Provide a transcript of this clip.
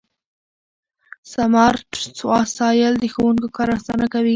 سمارټ وسایل د ښوونکو کار اسانه کوي.